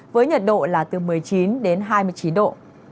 với nhiệt độ là từ một mươi chín đến hai mươi chín độ